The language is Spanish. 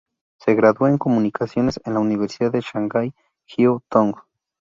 Se graduó en comunicaciones en la Universidad de Shanghái Jiao Tong.